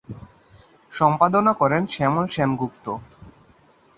সম্পাদনা করেন শ্যামল সেনগুপ্ত।